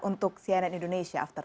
untuk cnn indonesia after sepuluh